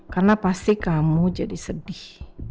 karena pasti kamu jadi sedih